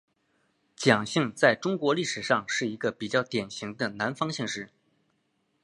蒋姓在中国历史上是一个比较典型的南方姓氏。